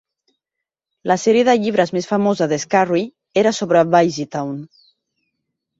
La sèrie de llibres més famosa de Scarry era sobre Busytown.